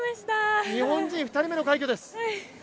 日本人２人目の快挙です。